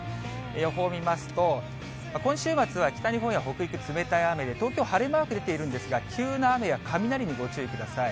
予報見ますと、今週末は北日本や北陸、冷たい雨で、東京晴れマーク出ているんですが、急な雨や雷にご注意ください。